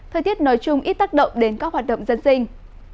thời tiết nói chung ít tác động đến các hoạt động dân sinh